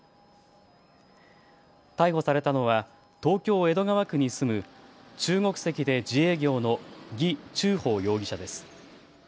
逮捕されたのは東京江戸川区に住む中国籍で自営業の魏忠宝容疑者です。